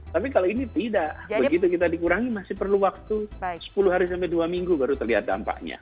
tapi kalau ini tidak begitu kita dikurangi masih perlu waktu sepuluh hari sampai dua minggu baru terlihat dampaknya